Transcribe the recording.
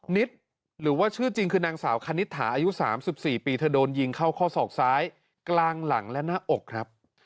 นิดหรือว่าชื่อจริงคือนางสาวคณิตถาอายุ๓๔ปีเธอโดนยิงเข้าข้อศอกซ้ายกลางหลังและหน้าอกครับ